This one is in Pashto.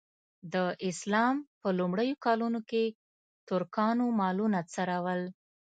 د اسلام په لومړیو کلونو کې ترکانو مالونه څرول.